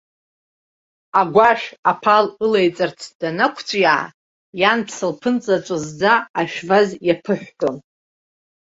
Агәашә апал ылеиҵарц данаақәҵәиаа, ианԥса лԥынҵа ҵәызӡа ашәваз иаԥыҳәҳәон.